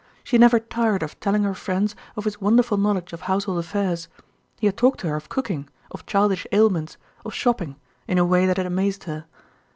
She never tired of telling her friends of his wonderful knowledge of household affairs. He had talked to her of cooking, of childish ailments, of shopping, in a way that had amazed her.